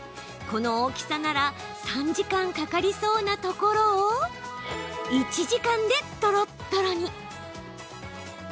この大きさなら３時間かかりそうなところを１時間でとろっとろに。